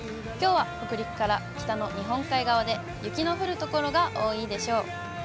きょうは北陸から北の日本海側で雪の降る所が多いでしょう。